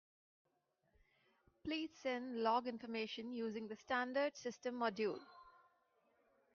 Please send log information using the standard system module.